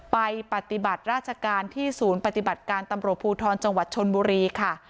ปฏิบัติราชการที่ศูนย์ปฏิบัติการตำรวจภูทรจังหวัดชนบุรีค่ะ